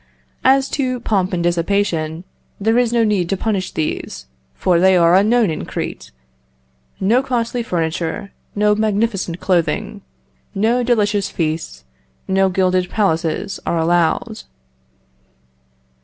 As to pomp and dissipation, there is no need to punish these, for they are unknown in Crete...... No costly furniture, no magnificent clothing, no delicious feasts, no gilded palaces are allowed."